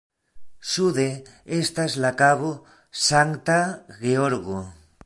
Sude estas la Kabo Sankta Georgo.